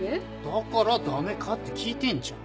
だからダメかって聞いてんじゃん。